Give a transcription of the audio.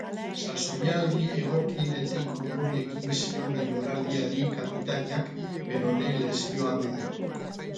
Sasoialdi egokienetik urrun ekin zion denboraldiari kapitainak perone-lesioa medio.